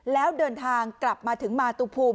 แล้วเดินทางกลับมาถึงมาตุภูมิ